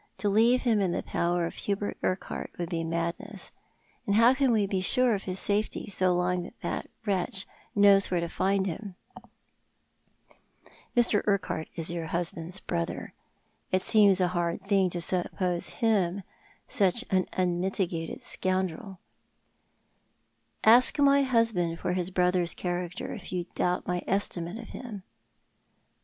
To leave him in the power of Hubert Urquhart would be madness ; and how can we be sure of his safety so long as that wretch knows where to find him ?"" Mr. Urquhart is your husband's brother. It seems a hard thing to suppose him such an unmitigated scoundrel." " Ask my husband for his brother's character, if you doubt my estimate of him."